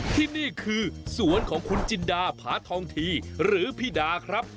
ที่นี่คือสวนของคุณจินดาผาทองทีหรือพี่ดาครับ